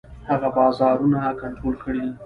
هغه بازارونه کنټرول کړل.